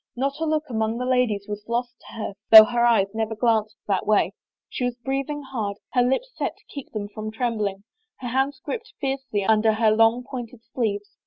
Not a look among the ladies was lost to her though her eyes never glanced that way. She was breathing hard, her lips set to keep them from trembling, her hands gripped fiercely under her long pointed sleeves.